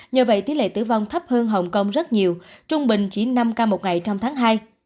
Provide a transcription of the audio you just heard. nhờ vậy tỷ lệ tử vong thấp hơn hồng kông rất nhiều trung bình chỉ năm ca một ngày trong tháng hai